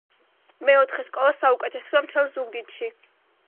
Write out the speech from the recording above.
მეოთხე სკოლა საუკეთესოა მთელ ზუგდიდში